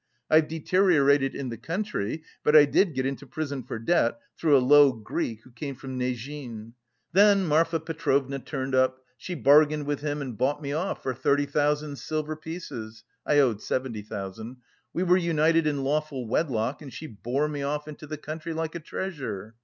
I've deteriorated in the country. But I did get into prison for debt, through a low Greek who came from Nezhin. Then Marfa Petrovna turned up; she bargained with him and bought me off for thirty thousand silver pieces (I owed seventy thousand). We were united in lawful wedlock and she bore me off into the country like a treasure.